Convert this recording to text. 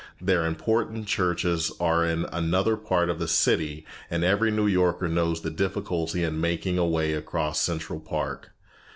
Their important churches are in another part of the city, and every New Yorker knows the difficulty in making a way across Central Park.